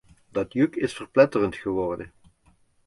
Dat juk is verpletterend geworden.